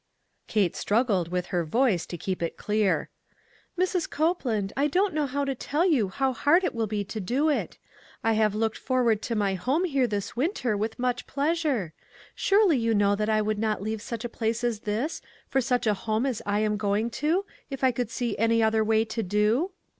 Kate struggled with her voice to keep it clear. "Mrs. Copeland, I don't know how to tell you how hard it will be to do it. I have looked forward to my home here this winter with such pleasure. Surely you know that I would not leave such a place as this for such a home as I am going to if I could see any other way to do."